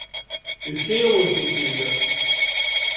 Yefka-yawen-tent-id.